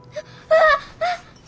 ああ。